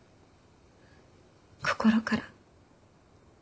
心から。